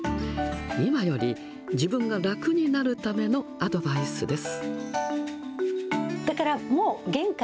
今より自分が楽になるためのアドバイスです。